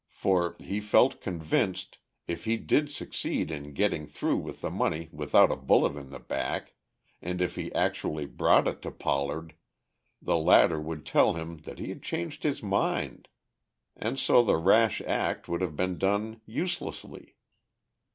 For, he felt convinced, if he did succeed in getting through with the money without a bullet in the back, and if he actually brought it to Pollard the latter would tell him that he had changed his mind, and so the rash act would have been done uselessly.